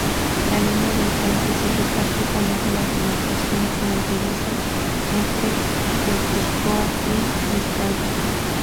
La línea del frente sigue prácticamente la demarcación fronteriza entre Guipúzcoa y Vizcaya.